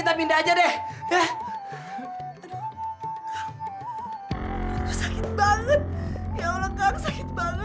aduh ya allah